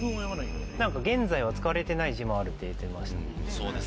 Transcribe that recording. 現在は使われてない字もあるって言ってましたね。